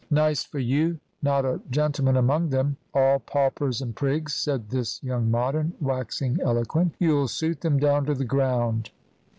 "Nice for you. Not a gentleman among them. All paupers and prigs," said this young Modern, waxing eloquent. "You'll suit them down to the ground."